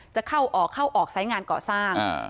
จะเข้าออกเข้าออกสายงานก่อสร้างอ่า